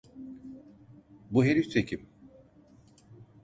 Bu herif de kim?